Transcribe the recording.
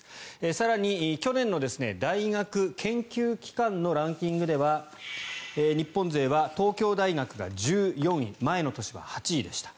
更に、去年の大学・研究機関のランキングでは日本勢は東京大学が１４位前の年は８位でした。